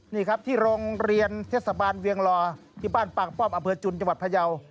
นี่ครับที่โรงเรียนเทศบาลเวียงลอที่บ้านปางป้อมอำเภอจุนจังหวัดพยาว